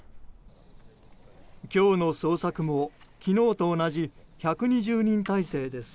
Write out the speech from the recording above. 今日の捜索も昨日と同じ１２０人態勢です。